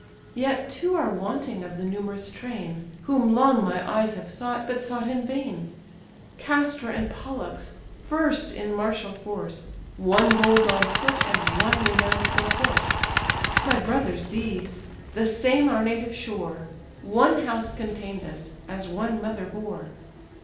Yet two are wanting of the numerous train, Whom long my eyes have sought, but sought in vain: Castor and Pollux, first in martial force, One bold on foot, and one renown'd for horse. My brothers these; the same our native shore, One house contain'd us, as one mother bore.